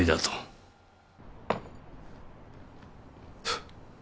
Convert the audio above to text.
フッ。